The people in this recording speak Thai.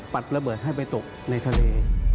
ระเบิดให้ไปตกในทะเล